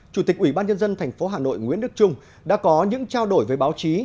chủ tịch ủy ban nhân dân tp hà nội nguyễn đức trung đã có những trao đổi với báo chí